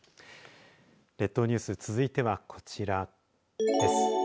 列島ニュース、続いてはこちら。です。